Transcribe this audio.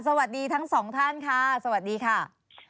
สวัสดีทั้งสองท่านค่ะสวัสดีค่ะ